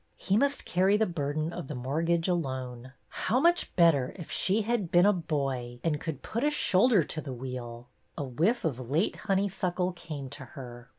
He must carry the burden of the mort gage alone. How much better if she had been a boy and could put a shoulder to the wheel ! A whiff of late honeysuckle came to her.